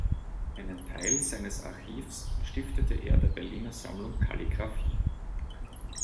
Einen Teil seines Archivs stiftete er der Berliner Sammlung Kalligraphie.